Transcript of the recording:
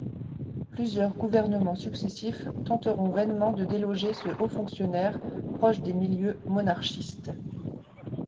Plusieurs gouvernements successifs tenteront vainement de déloger ce haut fonctionnaire proche des milieux monarchistes.